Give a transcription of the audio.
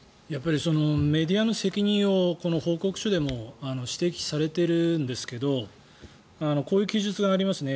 メディアの責任を報告書でも指摘されているんですがこういう記述がありますね。